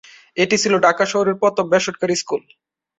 এটি ছিল ঢাকা শহরের প্রথম বেসরকারি স্কুল।